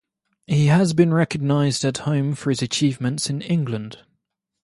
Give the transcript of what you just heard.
He has been recognised at home for his achievements in England.